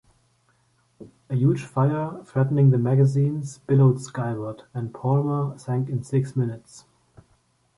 A huge fire, threatening the magazines, billowed skyward, and "Palmer" sank in six minutes.